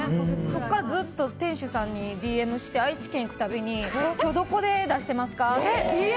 そこからずっと店主さんにＤＭして愛知県に行くたびに今日どこで出してますかって。